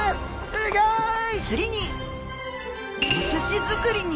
すギョい！